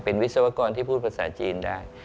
เป็นวิศวกรที่พูดภาษาจีนได้